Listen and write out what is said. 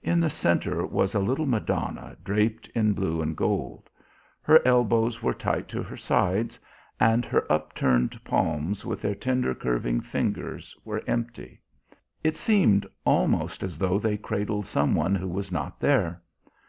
In the centre was a little Madonna draped in blue and gold. Her elbows were tight to her sides and her upturned palms with their tender curving fingers were empty. It seemed almost as though they cradled some one who was not there.